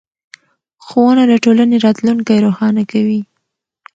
ښوونه د ټولنې راتلونکی روښانه کوي